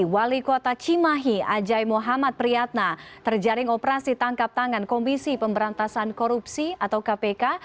wali kota cimahi ajai muhammad priyatna terjaring operasi tangkap tangan komisi pemberantasan korupsi atau kpk